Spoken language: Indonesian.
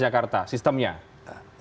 jadi bagaimana sistemnya transjakarta